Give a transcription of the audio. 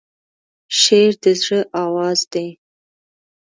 شعر د زړه آواز دی.